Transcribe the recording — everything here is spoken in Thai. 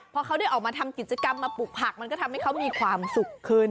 พอเขาได้ออกมาทำกิจกรรมมาปลูกผักมันก็ทำให้เขามีความสุขขึ้น